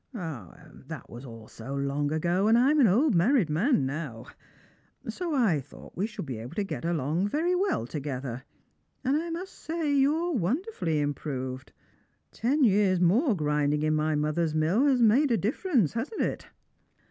However, all that was so long ago, and I'm an old married man now; so I thought we should be able to get on very well together. And I must say you're wonderfully improved; ten years' more grinding in my mother's mill has made a diflfcrence, hasn't it?"